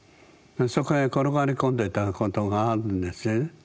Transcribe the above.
そこへ転がり込んでたことがあるんですね。